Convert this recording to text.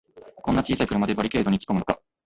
こんな小さい車でバリケードにつっこむのか